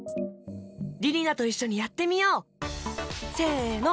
りりなといっしょにやってみよう！せの！